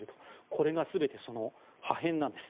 これが全てその破片なんです。